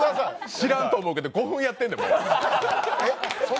知らんと思うけど、５分やってんの、もう。